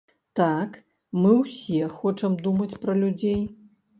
Так, мы ўсе хочам думаць пра людзей.